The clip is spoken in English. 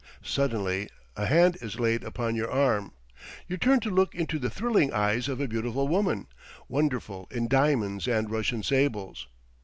Suddenly a hand is laid upon your arm. You turn to look into the thrilling eyes of a beautiful woman, wonderful in diamonds and Russian sables.